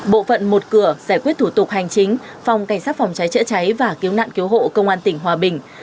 bộ phận một cửa giải quyết thủ tục hành chính phòng cảnh sát phòng cháy chữa cháy và cứu nạn cứu hộ công an tỉnh hòa bình